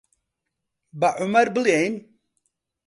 بە عومەر بڵێین؟